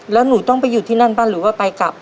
แล้วหนูต้องไปอยู่ที่นั่นบ้างหรือว่าไปกลับ